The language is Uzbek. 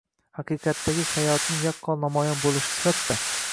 “haqiqatdagi hayot”ning yaqqol namoyon bo‘lishi sifatida